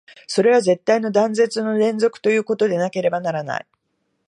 それは絶対の断絶の連続ということでなければならない。